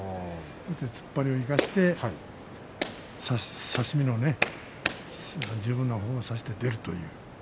突っ張りを生かして差し身の十分な方を差して出るという。